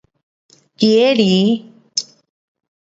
儿里